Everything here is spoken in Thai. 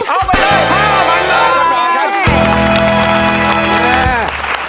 เอาไปเลย๕๐๐๐บาท